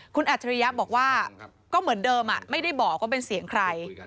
คุณอัจฉริยะบอกว่าก็เหมือนเดิมไม่ได้บอกว่าเป็นเสียงใคร